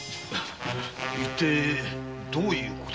一体どういうことなんで？